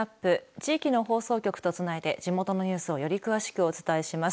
地域の放送局とつないで地元のニュースをより詳しくお伝えします。